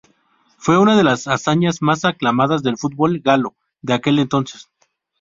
Fue una de las hazañas más aclamadas del fútbol galo de aquel entonces.